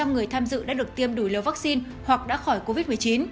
một trăm linh người tham dự đã được tiêm đủ liều vaccine hoặc đã khỏi covid một mươi chín